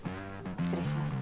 失礼します。